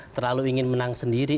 terlalu ingin menang sendiri